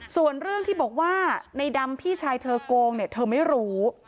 ส่วนเรื่องที่บอกว่าในดำพี่ชายเธอโกงเนี่ยเธอไม่รู้